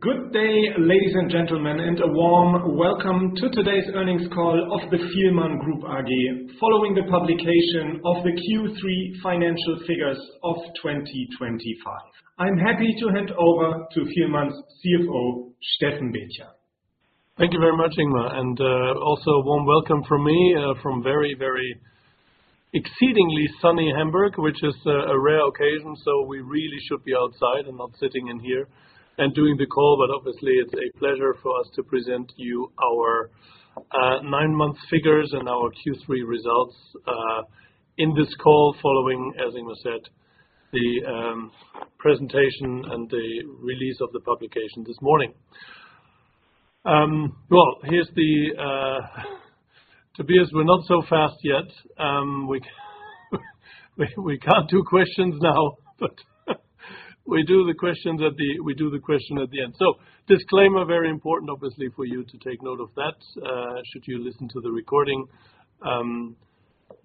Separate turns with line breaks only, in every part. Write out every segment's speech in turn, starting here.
Good day, ladies and gentlemen, and a warm welcome to today's earnings call of the Fielmann Group AG, following the publication of the Q3 financial figures of 2025. I'm happy to hand over to Fielmann's CFO, Steffen Baetjer.
Thank you very much, Ingmar, and also a warm welcome from me from very, very exceedingly sunny Hamburg, which is a rare occasion, so we really should be outside and not sitting in here and doing the call. But obviously, it's a pleasure for us to present you our nine-month figures and our Q3 results in this call, following, as Ingmar said, the presentation and the release of the publication this morning. Well,, we're not so fast yet. We can't do questions now, but we do the questions at the end. So disclaimer, very important, obviously, for you to take note of that should you listen to the recording.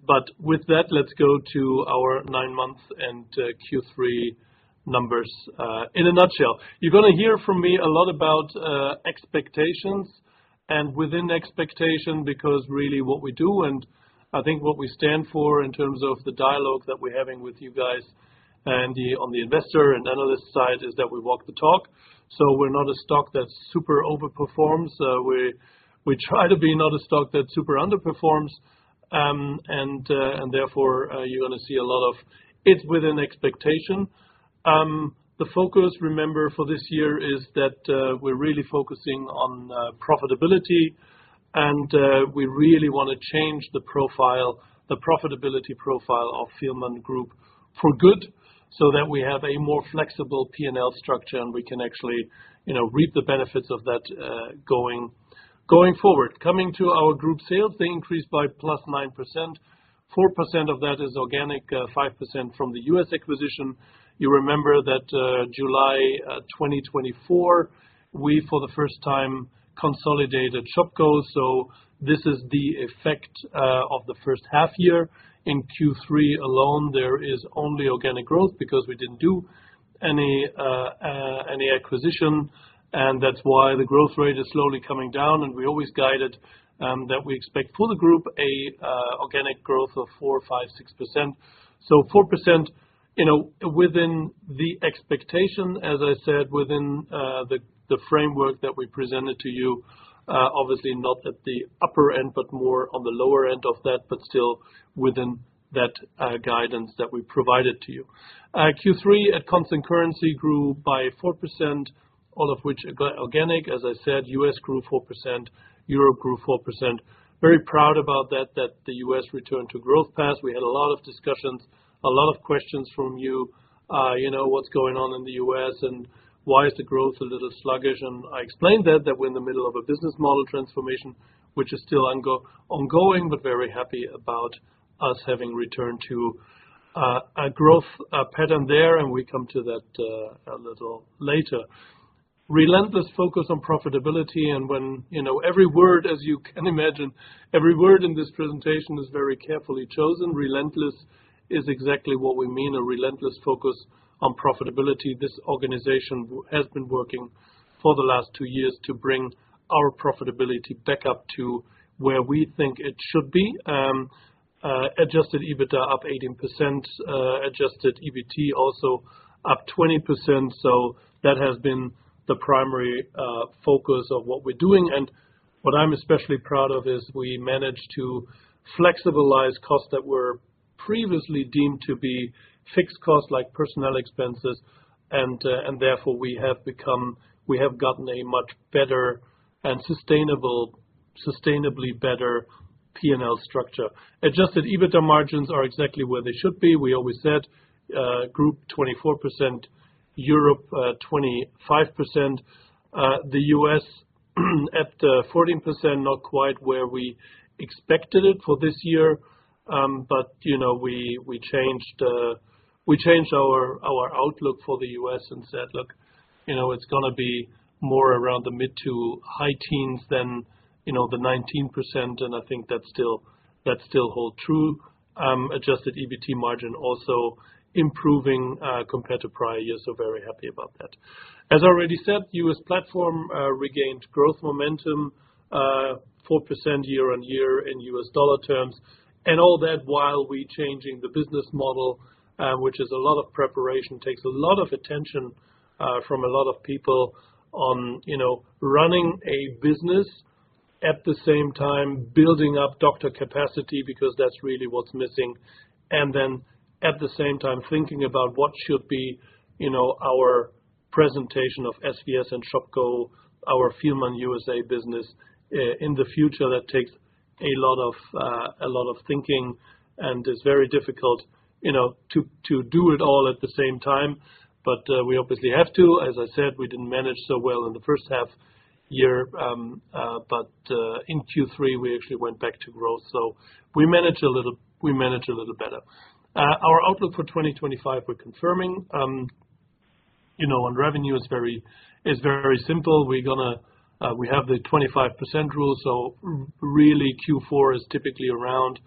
But with that, let's go to our nine-month and Q3 numbers in a nutshell. You're gonna hear from me a lot about expectations and within expectation, because really what we do, and I think what we stand for in terms of the dialogue that we're having with you guys, and on the investor and analyst side, is that we walk the talk. So we're not a stock that super overperforms. We try to be not a stock that super underperforms. And therefore, you're gonna see a lot of it within expectation. The focus, remember, for this year is that we're really focusing on profitability, and we really wanna change the profile, the profitability profile of Fielmann Group for good, so that we have a more flexible P&L structure, and we can actually, you know, reap the benefits of that going forward. Coming to our group sales, they increased by +9%, 4% of that is organic, 5% from the U.S. acquisition. You remember that, July 2024, we, for the first time, consolidated Shopko, so this is the effect of the first half year. In Q3 alone, there is only organic growth because we didn't do any any acquisition, and that's why the growth rate is slowly coming down, and we always guided that we expect for the group, a organic growth of 4%-6%. So 4%, you know, within the expectation, as I said, within the framework that we presented to you. Obviously not at the upper end, but more on the lower end of that, but still within that guidance that we provided to you. Q3 at constant currency grew by 4%, all of which organic. As I said, US grew 4%, Europe grew 4%. Very proud about that, that the US returned to growth path. We had a lot of discussions, a lot of questions from you. You know, what's going on in the US, and why is the growth a little sluggish? And I explained that, that we're in the middle of a business model transformation, which is still ongoing, but very happy about us having returned to a growth pattern there, and we come to that a little later. Relentless focus on profitability, and when, you know, every word, as you can imagine, every word in this presentation is very carefully chosen. Relentless is exactly what we mean, a relentless focus on profitability. This organization has been working for the last two years to bring our profitability back up to where we think it should be. Adjusted EBITDA up 18%, adjusted EBT also up 20%, so that has been the primary focus of what we're doing. What I'm especially proud of is we managed to flexibilize costs that were previously deemed to be fixed costs, like personnel expenses, and and therefore, we have become, we have gotten a much better and sustainable, sustainably better P&L structure. Adjusted EBITDA margins are exactly where they should be. We always said group 24%, Europe 25%, the US at 14%, not quite where we expected it for this year. But, you know, we changed our outlook for the U.S. and said: Look, you know, it's gonna be more around the mid- to high teens than, you know, the 19%, and I think that still hold true. Adjusted EBT margin also improving compared to prior years, so very happy about that. As I already said, U.S. platform regained growth momentum 4% year-on-year in U.S. dollar terms, and all that while we changing the business model, which is a lot of preparation, takes a lot of attention from a lot of people on, you know, running a business, at the same time, building up doctor capacity, because that's really what's missing. And then, at the same time, thinking about what should be, you know, our presentation of SVS and Shopko, our Fielmann USA business, in the future. That takes a lot of thinking and is very difficult, you know, to do it all at the same time. But we obviously have to. As I said, we didn't manage so well in the first half year, but in Q3, we actually went back to growth, so we managed a little better. Our outlook for 2025, we're confirming. You know, on revenue, it's very simple. We have the 25% rule, so really, Q4 is typically around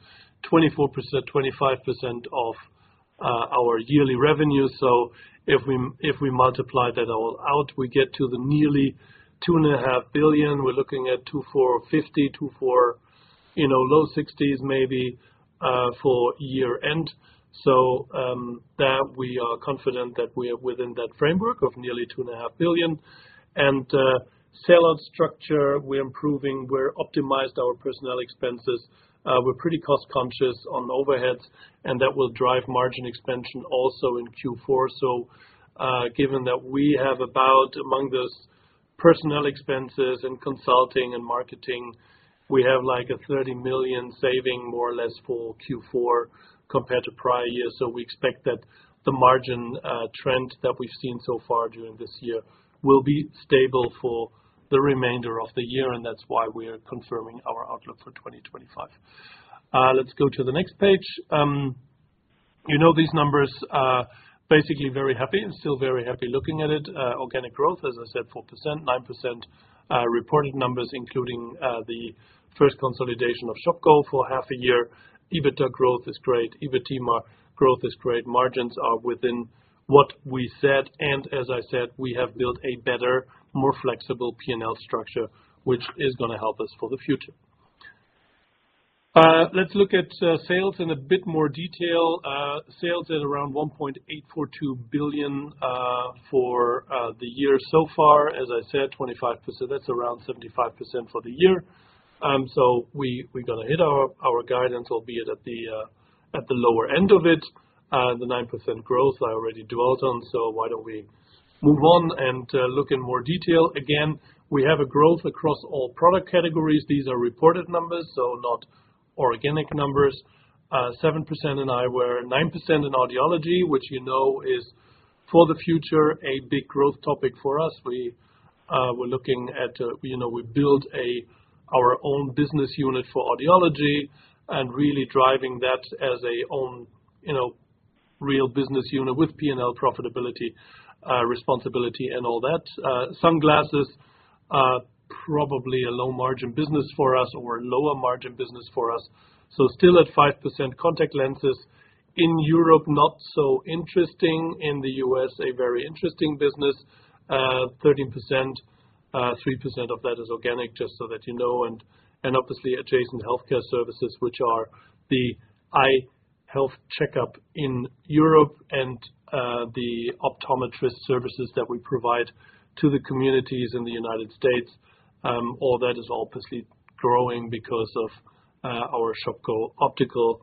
24%-25% of our yearly revenue. So if we multiply that all out, we get to nearly 2.5 billion. We're looking at 2.45, 2.4, you know, low 60s, maybe, for year-end. So that we are confident that we are within that framework of nearly 2.5 billion. And sell-out structure, we're improving, we're optimized our personnel expenses. We're pretty cost-conscious on overheads, and that will drive margin expansion also in Q4. So given that we have about, among those personnel expenses and consulting and marketing, we have like a 30 million saving, more or less, for Q4 compared to prior years. So we expect that the margin trend that we've seen so far during this year will be stable for the remainder of the year, and that's why we are confirming our outlook for 2025. Let's go to the next page. You know these numbers are basically very happy and still very happy looking at it. Organic growth, as I said, 4%, 9%, reporting numbers, including the first consolidation of Shopko for half a year. EBITDA growth is great. EBT growth is great. Margins are within what we said, and as I said, we have built a better, more flexible P&L structure, which is going to help us for the future. Let's look at sales in a bit more detail. Sales at around 1.842 billion for the year so far, as I said, 25%, that's around 75% for the year. So we're going to hit our guidance, albeit at the lower end of it, the 9% growth I already dwelt on, so why don't we move on and look in more detail? Again, we have a growth across all product categories. These are reported numbers, so not organic numbers. Seven percent in eyewear, 9% in audiology, which, you know, is for the future, a big growth topic for us. We're looking at, you know, we build our own business unit for audiology and really driving that as our own, you know, real business unit with P&L profitability, responsibility, and all that. Sunglasses, probably a low-margin business for us or lower margin business for us. So still at 5%. Contact lenses in Europe, not so interesting, in the US, a very interesting business, 13%, 3% of that is organic, just so that you know, and obviously, adjacent healthcare services, which are the eye health checkup in Europe and the optometrist services that we provide to the communities in the United States. All that is obviously growing because of our Shopko Optical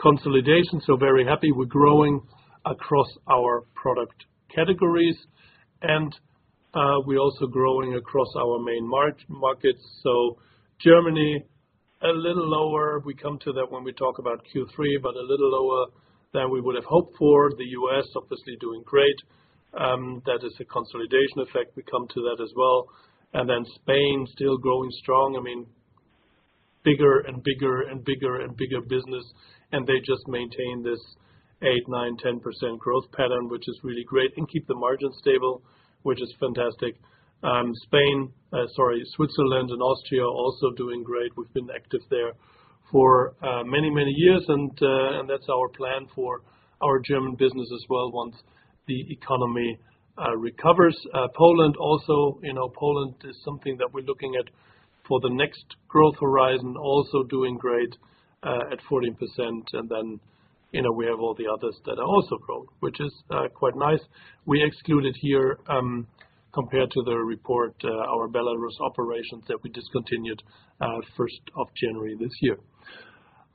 consolidation. So very happy. We're growing across our product categories, and we're also growing across our main markets. So Germany, a little lower. We come to that when we talk about Q3, but a little lower than we would have hoped for. The US, obviously doing great. That is a consolidation effect. We come to that as well. And then Spain, still growing strong. I mean, bigger and bigger and bigger and bigger business, and they just maintain this 8%, 9%, 10% growth pattern, which is really great, and keep the margin stable, which is fantastic. Spain, sorry, Switzerland and Austria are also doing great. We've been active there for many, many years, and that's our plan for our German business as well, once the economy recovers. Poland also, you know, Poland is something that we're looking at for the next growth horizon, also doing great at 14%. And then, you know, we have all the others that are also growing, which is quite nice. We excluded here, compared to the report, our Belarus operations that we discontinued January 1st,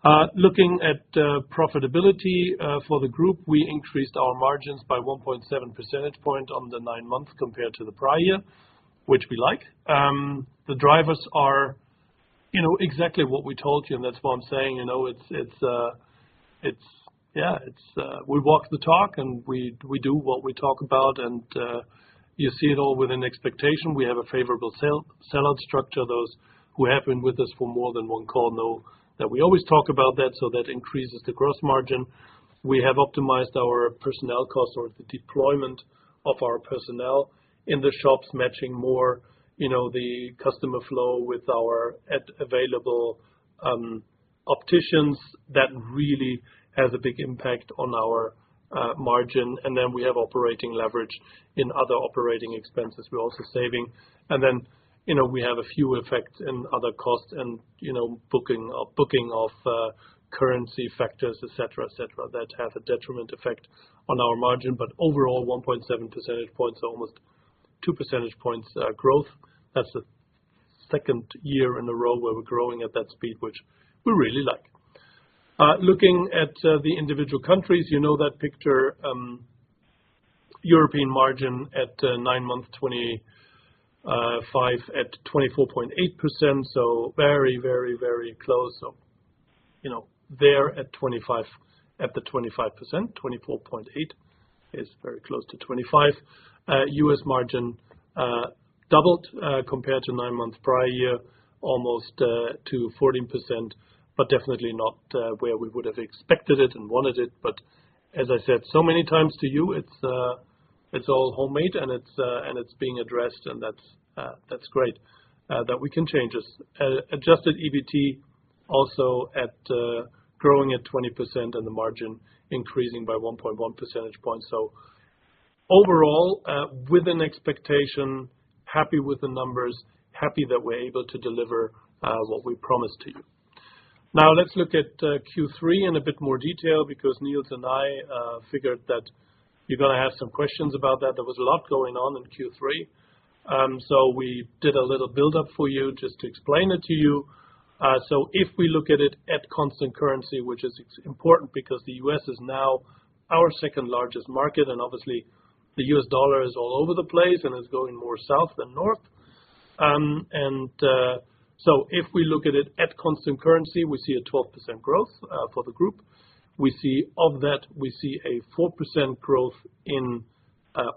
2025. Looking at profitability for the group, we increased our margins by 1.7 percentage point on the nine months compared to the prior year, which we like. The drivers are, you know, exactly what we told you, and that's why I'm saying, you know, it's, it's, it's. Yeah, it's we walk the talk, and we, we do what we talk about, and you see it all within expectation. We have a favorable sell-out structure. Those who have been with us for more than one call know that we always talk about that, so that increases the gross margin. We have optimized our personnel costs or the deployment of our personnel in the shops, matching more, you know, the customer flow with our available opticians. That really has a big impact on our margin, and then we have operating leverage in other operating expenses we're also saving. And then, you know, we have a few effects in other costs and, you know, booking, booking of, currency factors, et cetera, et cetera, that have a detriment effect on our margin, but overall, 1.7 percentage points, almost 2 percentage points growth. That's the second year in a row where we're growing at that speed, which we really like. Looking at the individual countries, you know that picture, European margin at nine-month 2025 at 24.8%, so very, very, very close. So, you know, there at 25, at the 25%, 24.8% is very close to 25%. U.S. margin doubled compared to nine-month prior year, almost to 14%, but definitely not where we would have expected it and wanted it. But as I said so many times to you, it's... It's all homemade, and it's being addressed, and that's great that we can change this. Adjusted EBT also growing at 20% and the margin increasing by 1.1 percentage point. So overall, with an expectation, happy with the numbers, happy that we're able to deliver what we promised to you. Now, let's look at Q3 in a bit more detail, because Niels and I figured that you're gonna have some questions about that. There was a lot going on in Q3, so we did a little build-up for you just to explain it to you. So if we look at it at constant currency, which is important because the US is now our second-largest market, and obviously, the US dollar is all over the place and is going more south than north. So if we look at it at constant currency, we see a 12% growth for the group. Of that, we see a 4% growth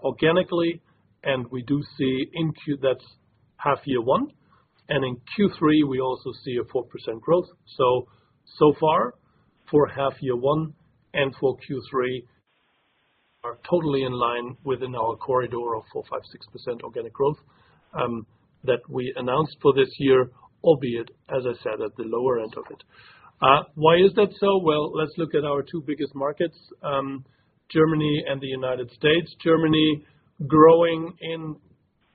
organically, and we do see in Q, that's half year one, and in Q3, we also see a 4% growth. So, so far, for half year one and for Q3 are totally in line within our corridor of 4%-6% organic growth that we announced for this year, albeit, as I said, at the lower end of it. Why is that so? Well, let's look at our two biggest markets, Germany and the United States. Germany, growing in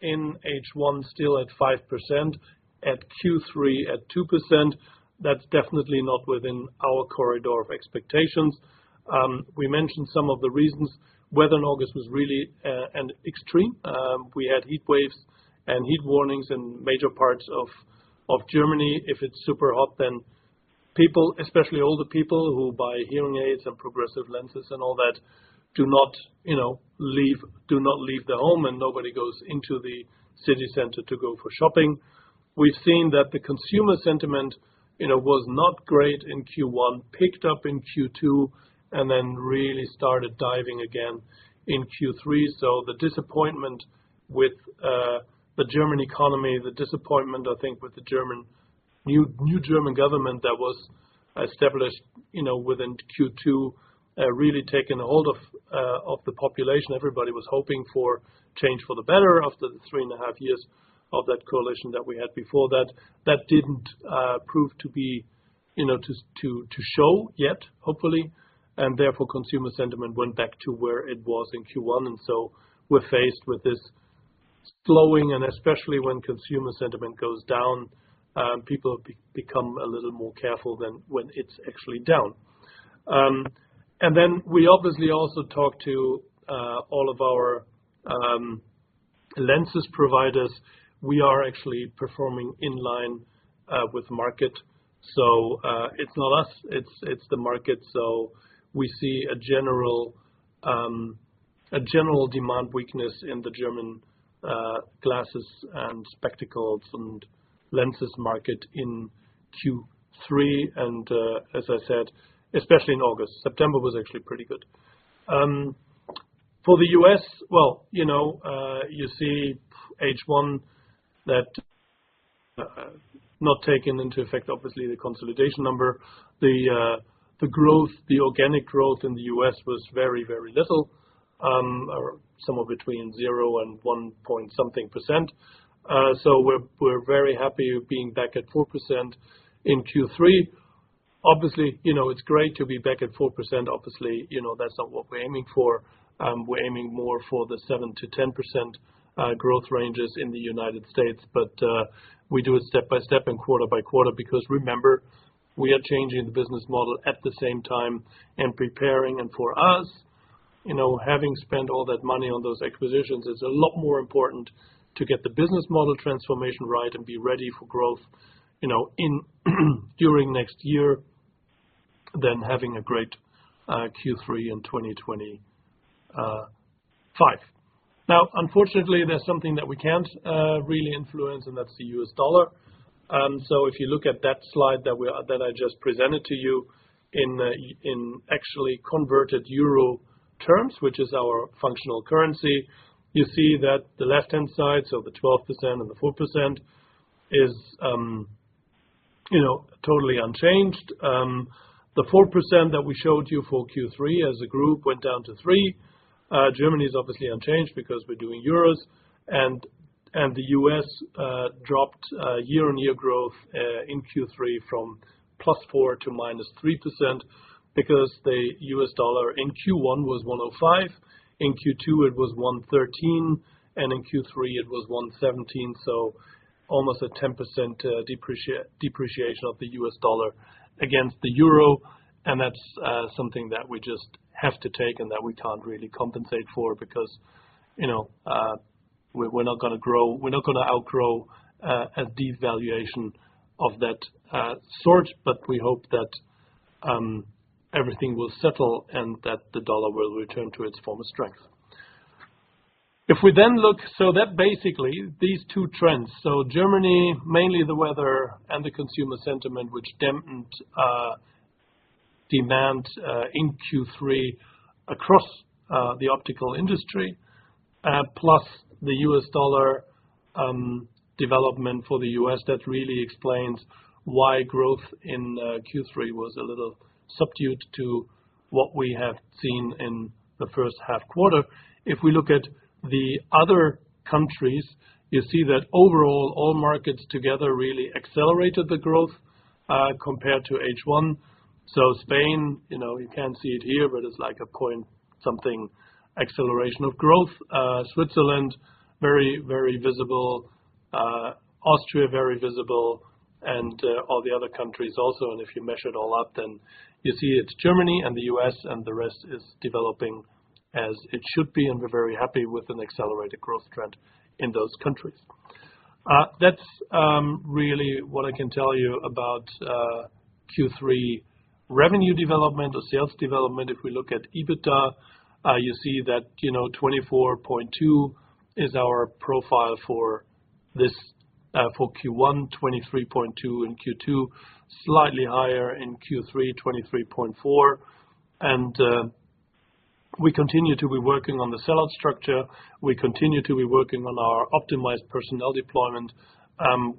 H1, still at 5%, at Q3 at 2%. That's definitely not within our corridor of expectations. We mentioned some of the reasons. Weather in August was really an extreme. We had heat waves and heat warnings in major parts of Germany. If it's super hot, then people, especially older people who buy hearing aids and progressive lenses and all that, do not, you know, leave, do not leave their home, and nobody goes into the city center to go for shopping. We've seen that the consumer sentiment, you know, was not great in Q1, picked up in Q2, and then really started diving again in Q3. So the disappointment with the German economy, the disappointment, I think, with the German, new, new German government that was established, you know, within Q2, really taken a hold of the population. Everybody was hoping for change for the better after the three and a half years of that coalition that we had before that. That didn't prove to be, you know, to show yet, hopefully, and therefore, consumer sentiment went back to where it was in Q1, and so we're faced with this slowing, and especially when consumer sentiment goes down, people become a little more careful than when it's actually down. And then we obviously also talked to all of our lenses providers. We are actually performing in line with market. So, it's not us, it's the market. So we see a general demand weakness in the German glasses and spectacles and lenses market in Q3, and, as I said, especially in August. September was actually pretty good. For the US, well, you know, you see H1 that not taking into effect, obviously, the consolidation number. The growth, the organic growth in the U.S. was very, very little, or somewhere between 0% and one point something percent. So we're, we're very happy with being back at 4% in Q3. Obviously, you know, it's great to be back at 4%. Obviously, you know, that's not what we're aiming for. We're aiming more for the 7%-10% growth ranges in the United States, but we do it step by step and quarter by quarter, because remember, we are changing the business model at the same time and preparing, and for us, you know, having spent all that money on those acquisitions, it's a lot more important to get the business model transformation right and be ready for growth, you know, in, during next year than having a great Q3 in 2025. Now, unfortunately, there's something that we can't really influence, and that's the U.S. dollar. So if you look at that slide that I just presented to you in actually converted euro terms, which is our functional currency, you see that the left-hand side, so the 12% and the 4%, is, you know, totally unchanged. The 4% that we showed you for Q3 as a group went down to 3%. Germany is obviously unchanged because we're doing euros, and the U.S. dropped year-on-year growth in Q3 from +4% to -3% because the U.S. dollar in Q1 was 105, in Q2 it was 113, and in Q3 it was 117, so almost a 10% depreciation of the U.S. dollar against the euro. And that's something that we just have to take and that we can't really compensate for because, you know, we're not gonna outgrow a devaluation of that sort, but we hope that everything will settle and that the dollar will return to its former strength. So that basically, these two trends, so Germany, mainly the weather and the consumer sentiment, which dampened demand in Q3 across the optical industry, plus the US dollar development for the US, that really explains why growth in Q3 was a little subdued to what we have seen in the first half quarter. If we look at the other countries, you see that overall, all markets together really accelerated the growth compared to H1. Spain, you know, you can't see it here, but it's like a point, something, acceleration of growth. Switzerland, very, very visible, Austria, very visible, and all the other countries also. And if you measure it all up, then you see it's Germany and the U.S., and the rest is developing as it should be, and we're very happy with an accelerated growth trend in those countries. That's really what I can tell you about Q3 revenue development or sales development. If we look at EBITDA, you see that 24.2 is our profile for this for Q1, 23.2 in Q2, slightly higher in Q3, 23.4. And we continue to be working on the sell-out structure, we continue to be working on our optimized personnel deployment,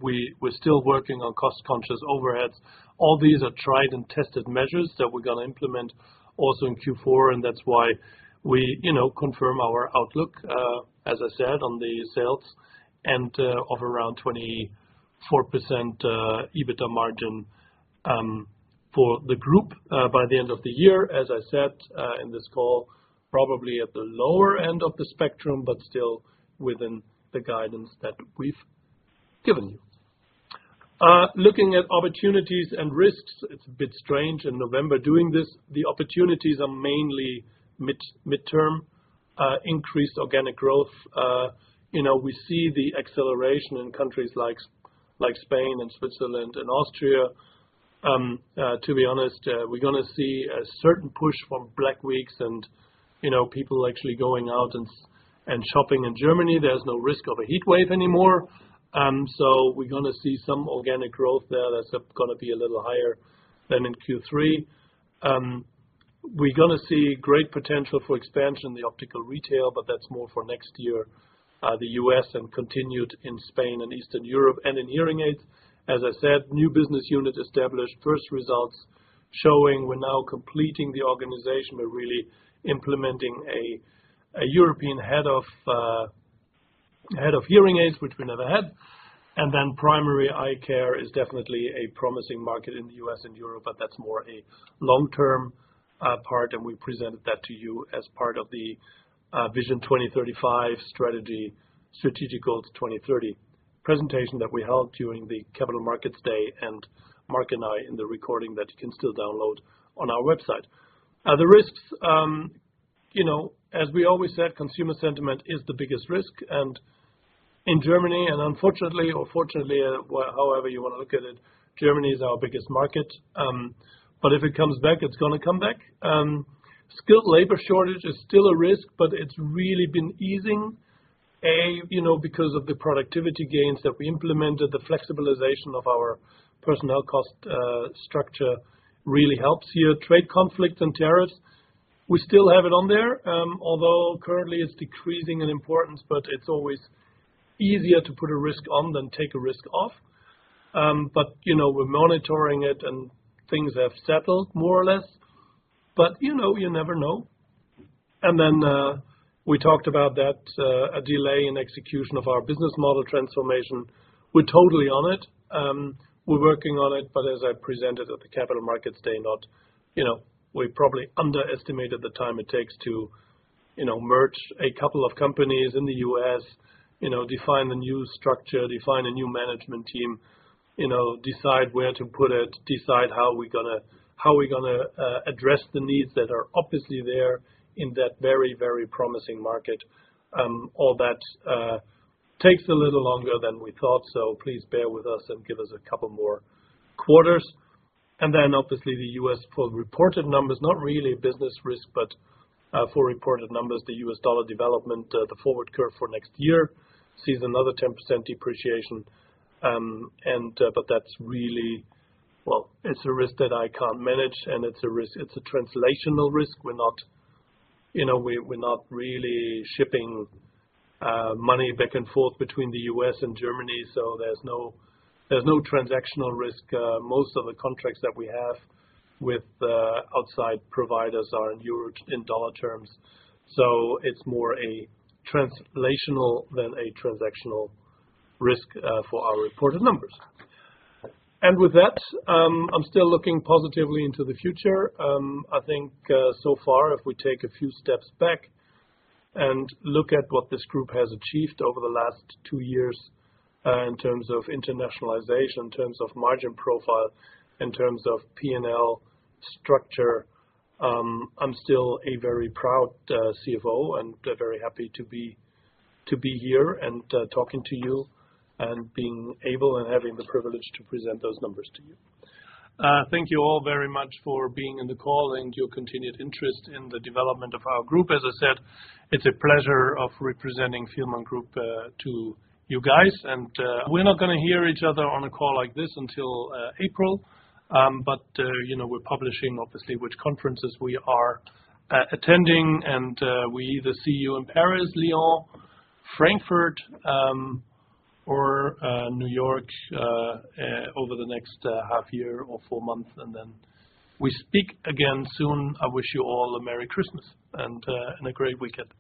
we're still working on cost-conscious overheads. All these are tried and tested measures that we're gonna implement also in Q4, and that's why we, you know, confirm our outlook, as I said, on the sales, and of around 24% EBITDA margin for the group by the end of the year. As I said in this call, probably at the lower end of the spectrum, but still within the guidance that we've given you. Looking at opportunities and risks, it's a bit strange in November doing this. The opportunities are mainly mid-term, increased organic growth. You know, we see the acceleration in countries like Spain and Switzerland and Austria. To be honest, we're gonna see a certain push from Black Weeks and, you know, people actually going out and shopping in Germany. There's no risk of a heat wave anymore, so we're gonna see some organic growth there that's gonna be a little higher than in Q3. We're gonna see great potential for expansion in the optical retail, but that's more for next year, the U.S. and continued in Spain and Eastern Europe and in hearing aids. As I said, new business unit established, first results showing we're now completing the organization. We're really implementing a European head of hearing aids, which we never had. Primary eye care is definitely a promising market in the U.S. and Europe, but that's more a long-term part, and we presented that to you as part of the Vision 2035 strategy, Strategic Goals 2030 presentation that we held during the Capital Markets Day, and Marc and I, in the recording that you can still download on our website. The risks, you know, as we always said, consumer sentiment is the biggest risk, and in Germany, and unfortunately or fortunately, well, however you wanna look at it, Germany is our biggest market. But if it comes back, it's gonna come back. Skilled labor shortage is still a risk, but it's really been easing. You know, because of the productivity gains that we implemented, the flexibilization of our personnel cost structure really helps here. Trade conflict and tariffs, we still have it on there, although currently it's decreasing in importance, but it's always easier to put a risk on than take a risk off. But, you know, we're monitoring it and things have settled more or less. But, you know, you never know. And then, we talked about that, a delay in execution of our business model transformation. We're totally on it. We're working on it, but as I presented at the Capital Markets Day, not, you know, we probably underestimated the time it takes to, you know, merge a couple of companies in the U.S., you know, define a new structure, define a new management team, you know, decide where to put it, decide how we're gonna- how we're gonna, address the needs that are obviously there in that very, very promising market. All that takes a little longer than we thought, so please bear with us and give us a couple more quarters. And then, obviously, the U.S. for reported numbers, not really a business risk, but, for reported numbers, the U.S. dollar development, the forward curve for next year sees another 10% depreciation. But that's really... Well, it's a risk that I can't manage, and it's a risk—it's a translational risk. We're not, you know, we're not really shipping money back and forth between the U.S. and Germany, so there's no transactional risk. Most of the contracts that we have with outside providers are in euros, in dollar terms, so it's more a translational than a transactional risk, for our reported numbers. And with that, I'm still looking positively into the future. I think so far, if we take a few steps back and look at what this group has achieved over the last two years in terms of internationalization, in terms of margin profile, in terms of P&L structure, I'm still a very proud CFO and very happy to be here and talking to you, and being able and having the privilege to present those numbers to you. Thank you all very much for being in the call and your continued interest in the development of our group. As I said, it's a pleasure of representing Fielmann Group to you guys. We're not gonna hear each other on a call like this until April. But, you know, we're publishing, obviously, which conferences we are attending, and we either see you in Paris, Lyon, Frankfurt, or New York over the next half year or four months, and then we speak again soon. I wish you all a Merry Christmas and a great weekend.